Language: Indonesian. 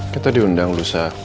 kita diundang lusa